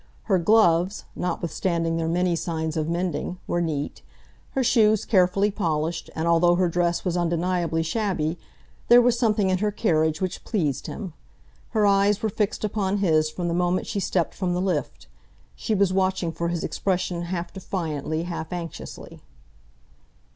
Her gloves, notwithstanding their many signs of mending, were neat, her shoes carefully polished, and although her dress was undeniably shabby, there was something in her carriage which pleased him. Her eyes were fixed upon his from the moment she stepped from the lift. She was watching for his expression half defiantly, half anxiously.